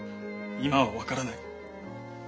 今は分からない。